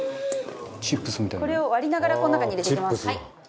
これを割りながらこの中に入れていきます。